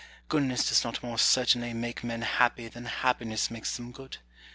Goodness does not more certainly make men happy than happiness makes them good.